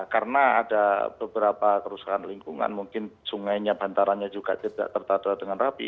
karena ada beberapa kerusakan lingkungan mungkin sungainya bantaranya juga tidak tertatua dengan rapi